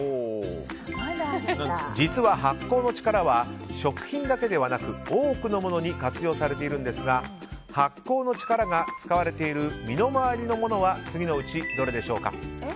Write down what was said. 実は発酵の力は食品だけではなく多くのものに活用されているんですが発酵の力が使われている身の回りの物は次のうち、どれでしょうか？